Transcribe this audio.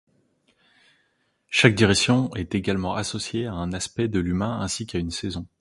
Chaque direction est également associée à un aspect de l’humain ainsi qu’à une saison.